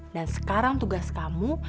dan sekarang tugas kamu